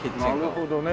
なるほどね。